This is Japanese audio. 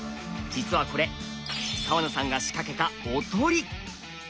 実はこれ川名さんが仕掛けたおとり。